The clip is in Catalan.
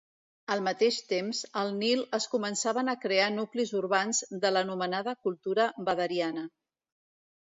Al mateix temps, al Nil es començaven a crear nuclis urbans, de l'anomenada cultura Badariana.